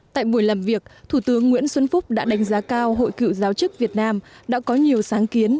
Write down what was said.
tại buổi làm việc thủ tướng nguyễn xuân phúc đã đánh giá cao hội cựu giáo chức việt nam đã có nhiều sáng kiến